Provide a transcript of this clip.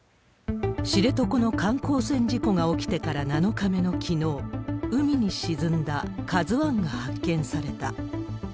知床の観光船事故が起きてから７日目のきのう、海に沈んだＫＡＺＵＩが発見された。